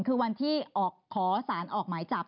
คือวันที่ออกขอสารออกหมายจับ